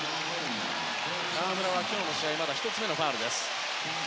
河村は今日の試合１つ目のファウルです。